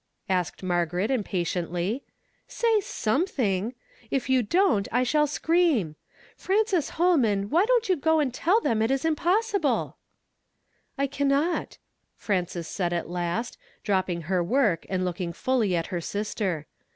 asked Margaret im patiently, .gay something; if you don'f, I sha^l ~^^^^^^«™' V don't you go and tell tliem it is impossible ?"^ s u "I cannot," Frances said at last, dropping her work, and looking fully at her sister.